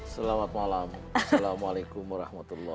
selamat malam assalamualaikum wr wb